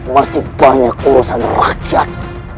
masih banyak urusan rakyat